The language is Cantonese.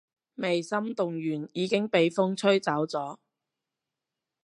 未心動完已經畀風吹走咗